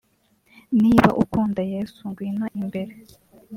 niba ukunda Yesu ngwino imbere